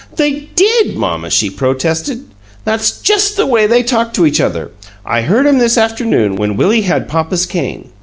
"They DID, mamma," she protested. "That's just the way they talked to each other. I heard 'em this afternoon, when Willie had papa's cane."